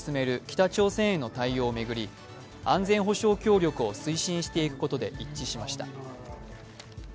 北朝鮮への対応を巡り安全保障協力を推進していくことで一致しました。